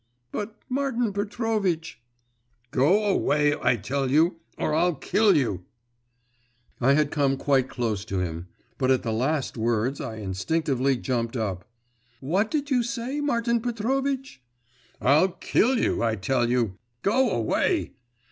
'But, Martin Petrovitch ' 'Go away, I tell you, … or I'll kill you!' I had come quite close to him; but at the last words I instinctively jumped up. 'What did you say, Martin Petrovitch?' 'I'll kill you, I tell you; go away!